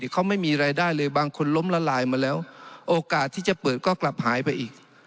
เขาไม่มีรายได้เลยบางคนล้มละลายมาแล้วโอกาสที่จะเปิดก็กลับหายไปอีก